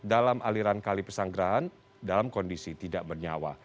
dalam aliran kali pesanggerahan dalam kondisi tidak bernyawa